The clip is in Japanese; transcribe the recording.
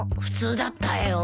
普通だったよ。